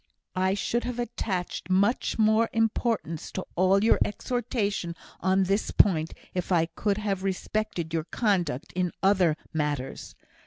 "I should have attached much more importance to all your exhortation on this point if I could have respected your conduct in other matters.